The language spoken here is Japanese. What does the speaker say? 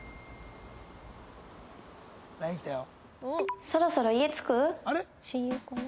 ＬＩＮＥ来たよ。